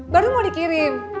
baru mau dikirim